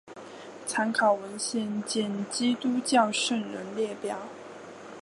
参考文献见基督教圣人列表。